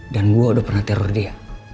dan gue udah pernah teror dia